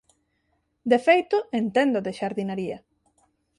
De feito, entendo de xardinaría.